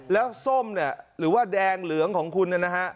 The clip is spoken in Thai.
แล้วส้มเนี่ยหรือว่าแดงเหลืองของคุณเนี่ยนะฮะ